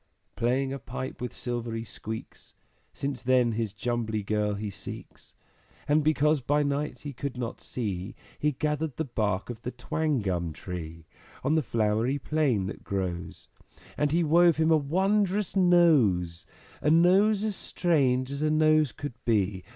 Playing a pipe with silvery squeaks, Since then his Jumbly Girl he seeks; And because by night he could not see, He gathered the bark of the Twangum Tree On the flowery plain that grows. And he wove him a wondrous Nose, A Nose as strange as a Nose could be!